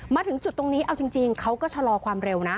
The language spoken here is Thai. มาถึงจุดตรงนี้เอาจริงเขาก็ชะลอความเร็วนะ